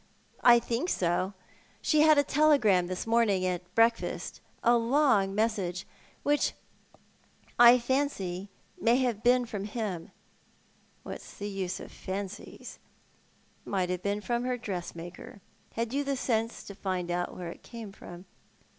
" I think so. She had a telegram this morning at breakfast — a long message — which I fancy may have been from him." " What's the use of fancies ? It may have been from her dressmaker. Had you the sense to find out where it came from?"